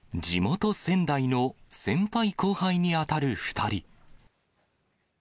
地元、仙台の先輩後輩に当たる２人。